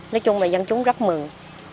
nói chung là dân chúng rất mừng